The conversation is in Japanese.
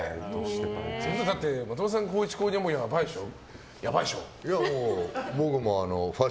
だって的場さん高１、高２はやばいでしょ。